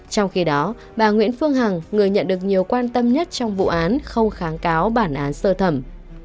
trong khi đó bà nguyễn phương hằng người nhận được nhiều quan tâm nhất trong vụ án không kháng cáo bản án sơ thẩm